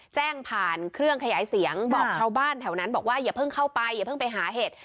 แจ้งผ่านเครื่องขยายเสียงบอกชาวบ้านแถวนั้นบอกว่าอย่าเพิ่งเข้าไปอย่าเพิ่งไปหาเห็ด